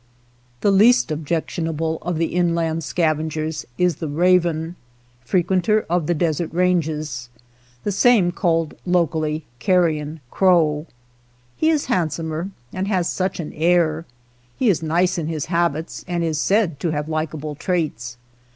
The least objectionable of the inland scavengers is the raven, frequenter of the desert ranges, the same called locally *' car rion crow." He is handsomer and has such an air. He is nice in his habits and is said to have likable traits.